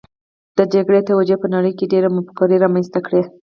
د جګړې توجیې په نړۍ کې ډېرې مفکورې رامنځته کړې